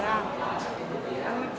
tapi tetap dengan masalah